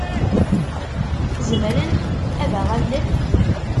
Zemren ad aɣ-allen?